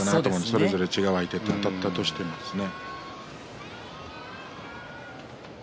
それぞれ違う相手とあたったとしてもですね。